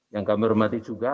yang kami hormati juga